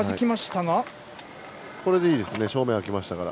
これでいいです。